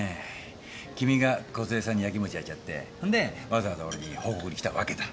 君が梢さんにやきもちやいちゃってんでわざわざ俺に報告に来たわけだ。